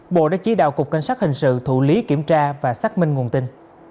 bộ đã chỉ đạo cục cảnh sát hình sự thụ lý kiểm tra và xác minh nguồn tin